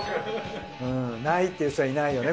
ないっていう人はいないよね